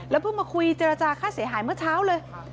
เพิ่งมาคุยเจรจาค่าเสียหายเมื่อเช้าเลย